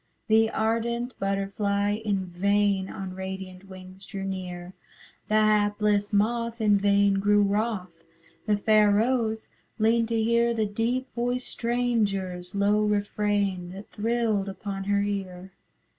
The ardent butterfly in vain On radiant wings drew near; The hapless moth in vain grew wrothâ The fair rose leaned to hear The deep voiced strangerâs low refrain That thrilled upon her ear.